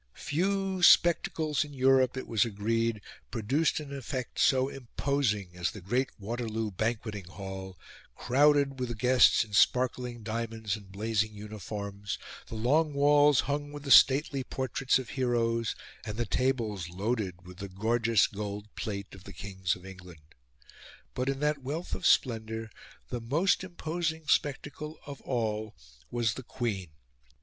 Few spectacles in Europe, it was agreed, produced an effect so imposing as the great Waterloo banqueting hall, crowded with guests in sparkling diamonds and blazing uniforms, the long walls hung with the stately portraits of heroes, and the tables loaded with the gorgeous gold plate of the kings of England. But, in that wealth of splendour, the most imposing spectacle of all was the Queen.